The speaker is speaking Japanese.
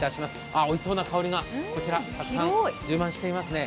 あ、おいしそうな香りがこちらたくさん充満してますね。